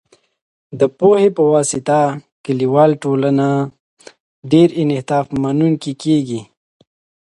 د پوهې په واسطه، کلیواله ټولنه ډیر انعطاف منونکې کېږي.